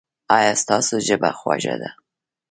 ایا ستاسو ژبه خوږه ده؟